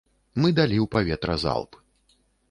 Мы далі ў паветра залп.